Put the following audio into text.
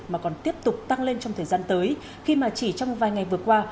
mà còn tiếp tục tăng lên trong thời gian tới khi mà chỉ trong vài ngày vừa qua